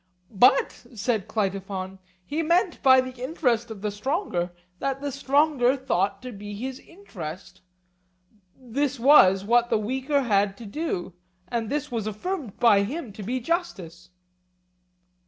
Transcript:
But, said Cleitophon, he meant by the interest of the stronger what the stronger thought to be his interest,—this was what the weaker had to do; and this was affirmed by him to be justice.